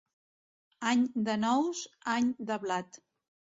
Any de nous, any de blat.